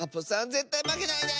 ぜったいまけないで！